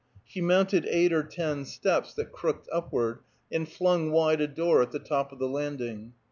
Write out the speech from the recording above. She mounted eight or ten steps that crooked upward, and flung wide a door at the top of the landing.